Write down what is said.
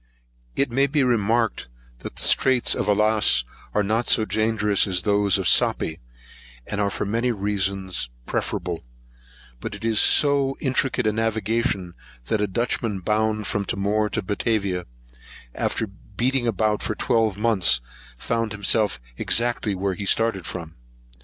It may be remarked, that the Straits of Alice are not so dangerous as those of Sapy [Sapi], and are for many reasons preferable; but it is so intricate a navigation that a Dutchman bound from Timor to Batavia, after beating about for twelve months, found himself exactly where he first started from.